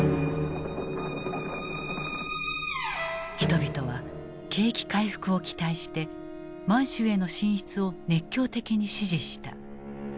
人々は景気回復を期待して満州への進出を熱狂的に支持した。